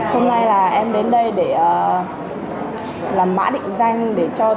hôm nay là em đến đây để làm mã định danh để cho